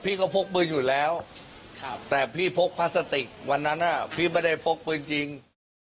พี่ก็พกปืนอยู่แล้วแต่พี่พกพลาสติกวันนั้นพี่ไม่ได้พกปืนจริง